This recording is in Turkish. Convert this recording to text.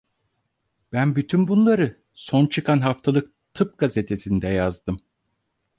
Ben bütün bunları son çıkan Haftalık Tıp Gazetesi'nde yazdım.